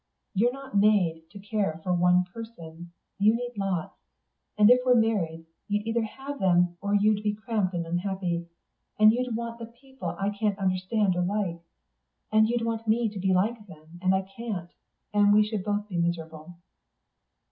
"You're not made to care only for one person you need lots. And if we were married, you'd either have them, or you'd be cramped and unhappy. And you'd want the people I can't understand or like. And you'd want me to like them, and I couldn't. And we should both be miserable."